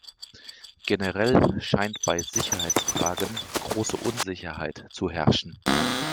Generell scheint bei Sicherheitsfragen große Unsicherheit zu herrschen.